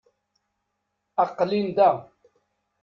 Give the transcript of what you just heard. Aqel-in da.